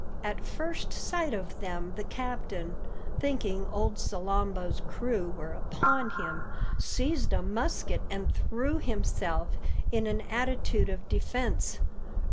At first sight of them, the captain, thinking old Salambo's crew were upon him, seized a musket and threw himself into an attitude of defence.